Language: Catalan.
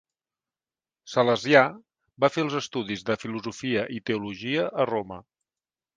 Salesià, va fer els estudis de filosofia i teologia a Roma.